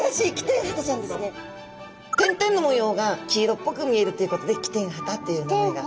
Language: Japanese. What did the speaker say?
点々の模様が黄色っぽく見えるということでキテンハタっていう名前が。